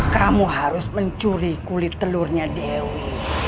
kamu harus mencuri kulit telurnya dewi